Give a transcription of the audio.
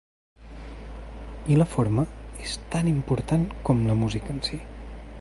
I la forma és tan important com la música en si.